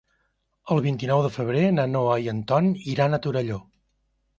El vint-i-nou de febrer na Noa i en Ton iran a Torelló.